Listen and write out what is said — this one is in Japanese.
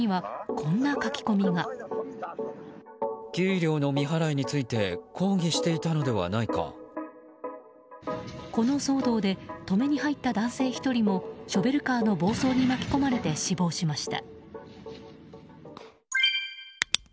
この騒動で止めに入った男性１人もショベルカーの暴走に巻き込まれて死亡しました。